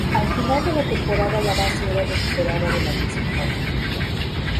Al final de la temporada la base era recuperada de la misma forma.